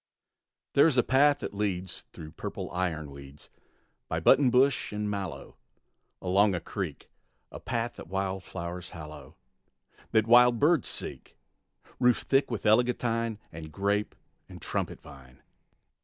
There is a path that leads Through purple iron weeds, By button bush and mallow Along a creek; A path that wildflowers hallow, That wild birds seek; Roofed thick with eglantine And grape and trumpet vine.